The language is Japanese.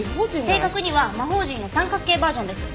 正確には魔方陣の三角形バージョンです。